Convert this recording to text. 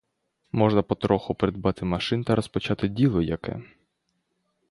Можна потроху придбати машин та розпочати діло яке.